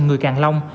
người càng long